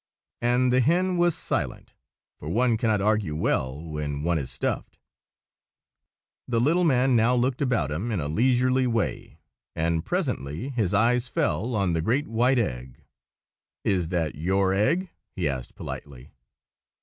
And the hen was silent, for one cannot argue well when one is stuffed. The little man now looked about him in a leisurely way, and presently his eyes fell on the great white egg. "Is that your egg?" he asked, politely.